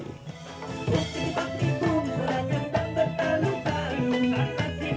kabupaten karma menjaga lingkungansmith dan ketua shaman